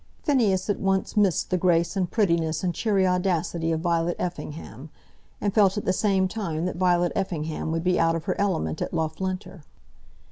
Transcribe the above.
Phineas at once missed the grace and prettiness and cheery audacity of Violet Effingham, and felt at the same time that Violet Effingham would be out of her element at Loughlinter.